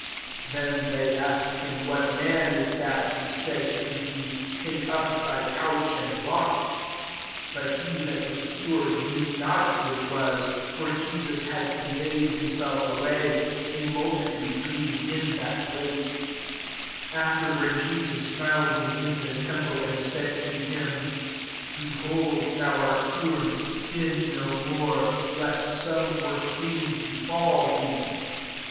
'' 12 [Then] they asked him, " What man is that who judd to thee, < Take up thy couchr'€knd walk ?''' 13 But he Jhat was cured knew not who it was : for Jesus had conveyed iiim&eif iiway> a multitude b^g ^n that fWcc. 14 Afterward Jesus found him in the temple, and said to him, " Behold, thou art cured : sin no more, lest some worse thing befal thee."